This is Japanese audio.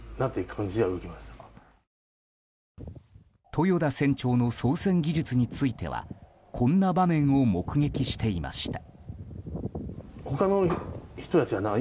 豊田船長の操船技術についてはこんな場面を目撃していました。